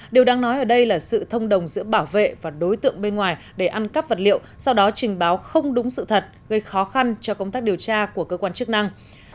điều đáng nói ở đây là sự thông đồng giữa bảo vệ và đối tượng bên ngoài để ăn cắp vật liệu sau đó trình báo không đúng sự thật gây khó khăn cho công tác điều tra của cơ quan chức năng